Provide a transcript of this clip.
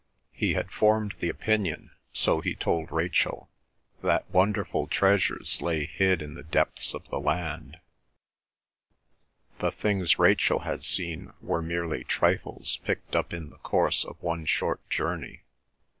He had formed the opinion, so he told Rachel, that wonderful treasures lay hid in the depths of the land; the things Rachel had seen were merely trifles picked up in the course of one short journey.